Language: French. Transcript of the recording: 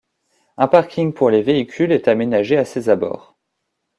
Un parking pour les véhicules est aménagé à ses abords.